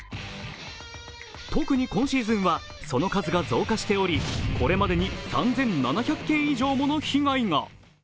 特に今シーズンはその数は増加しておりこれまでに３７００件以上もの被害が。